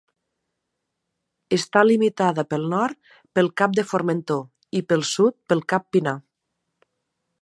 Està limitada pel nord pel cap de Formentor, i pel sud pel cap Pinar.